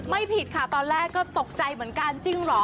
ไม่ผิดค่ะตอนแรกก็ตกใจเหมือนกันจริงเหรอ